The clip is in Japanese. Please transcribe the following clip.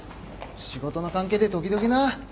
仕事の関係で時々な。